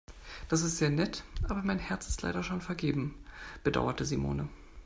Das ist sehr nett, aber mein Herz ist leider schon vergeben, bedauerte Simone.